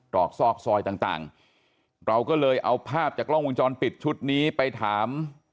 อกซอกซอยต่างเราก็เลยเอาภาพจากกล้องวงจรปิดชุดนี้ไปถาม